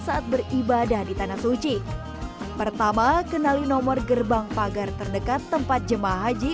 saat beribadah di tanah suci pertama kenali nomor gerbang pagar terdekat tempat jemaah haji